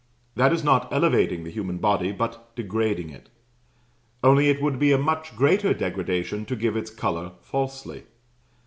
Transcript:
That is not elevating the human body, but degrading it; only it would be a much greater degradation to give its colour falsely.